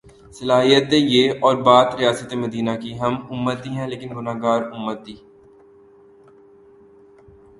صلاحیتیں یہ اور بات ریاست مدینہ کی ہم امتی ہیں لیکن گناہگار امتی۔